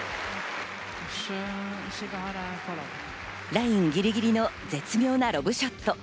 ラインぎりぎりの絶妙なロブショット。